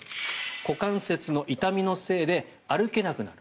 股関節の痛みのせいで歩けなくなる。